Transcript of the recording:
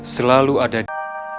selalu ada di